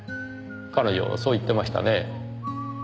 彼女そう言ってましたねぇ。